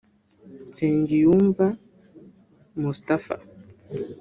Nsengiyumva Moustapha